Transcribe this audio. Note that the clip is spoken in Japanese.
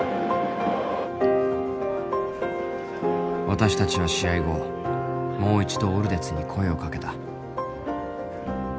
私たちは試合後もう一度オルデツに声をかけた。